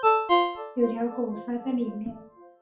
有条狗塞在里面